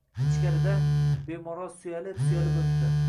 Ichkarida... bemorlar sulayib-sulayib o‘tdi.